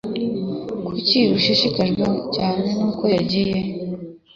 Kuki ushishikajwe cyane nuko yagiye?